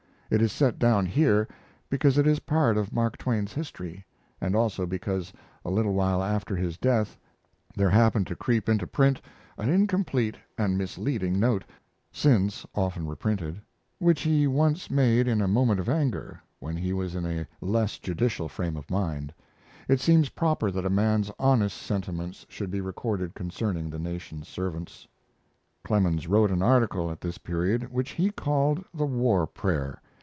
It is set down here, because it is a part of Mark Twain's history, and also because a little while after his death there happened to creep into print an incomplete and misleading note (since often reprinted), which he once made in a moment of anger, when he was in a less judicial frame of mind. It seems proper that a man's honest sentiments should be recorded concerning the nation's servants. Clemens wrote an article at this period which he called the "War Prayer."